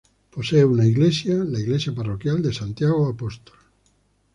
Posee una Iglesia, la Iglesia parroquial de Santiago Apóstol.